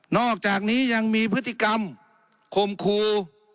อกจากนี้ยังมีพฤติกรรมคมครู